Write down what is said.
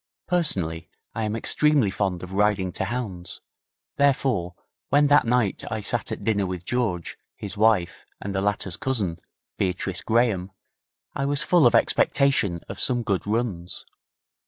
Personally, I am extremely fond of riding to hounds, therefore, when that night I sat at dinner with George, his wife, and the latter's cousin, Beatrice Graham, I was full of expectation of some good runs.